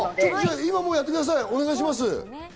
今やってください、お願いします。